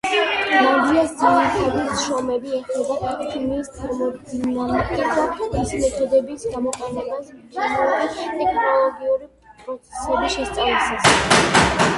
ლანდიას ძირითადი შრომები ეხება ქიმიის თერმოდინამიკას და მისი მეთოდების გამოყენებას ქიმიურ-ტექნოლოგიურ პროცესების შესწავლისას.